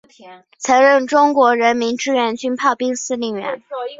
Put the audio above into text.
曾任中国人民志愿军炮兵司令员。